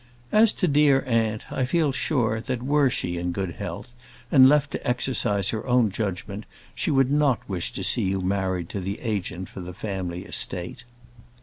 As to dear aunt, I feel sure, that were she in good health, and left to exercise her own judgement, she would not wish to see you married to the agent for the family estate.